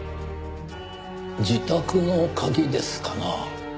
自宅の鍵ですかな。